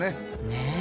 ねえ。